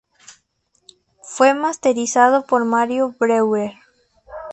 Fue masterizado por Mario Breuer.